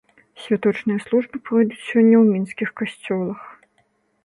Святочныя службы пройдуць сёння ў мінскіх касцёлах.